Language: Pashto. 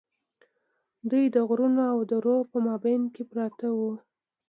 دوی د غرونو او درو په مابین کې پراته وو.